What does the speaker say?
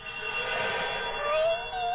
おいしい！